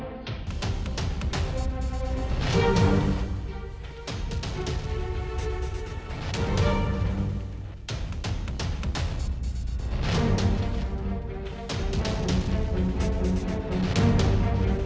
ini salah satu bentuk perlindungan buat kamu